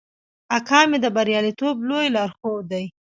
اکامي د بریالیتوب لوی لارښود دی.